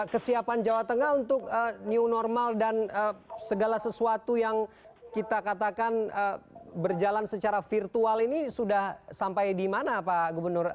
kesiapan jawa tengah untuk new normal dan segala sesuatu yang kita katakan berjalan secara virtual ini sudah sampai di mana pak gubernur